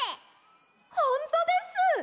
ほんとです。